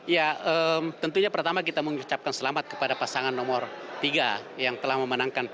ya tentunya pertama kita mengucapkan selamat kepada pasangan nomor tiga yang telah memenangkan p tiga